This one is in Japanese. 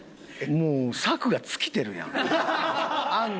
もう策が尽きてるやん案が。